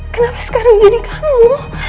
kenapa sekarang jadi kamu